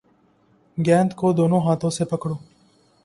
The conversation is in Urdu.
گیند کو دونوں ہاتھوں سے پکڑو